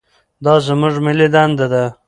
دا زموږ ملي دنده ده.